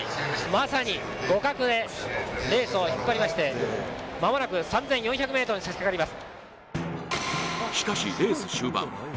まさに互角でレースを引っ張りまして間もなく３６００ｍにさしかかります。